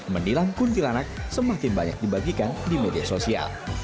menilang kuntilanak semakin banyak dibagikan di media sosial